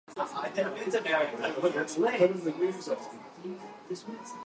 In space, there is no gravity to hold you down, so everything floats.